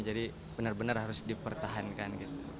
jadi benar benar harus dipertahankan